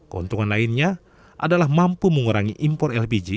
keuntungan lainnya adalah mampu mengurangi impor lpg